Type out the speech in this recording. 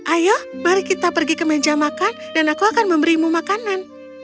ayo mari kita pergi ke meja makan dan aku akan memberimu makanan